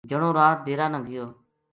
جنو رات ڈیرا نا گیو